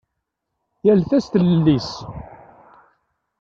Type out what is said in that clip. Yal ta s tlelli-s.